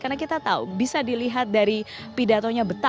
karena kita tahu bisa dilihat dari pidatonya betul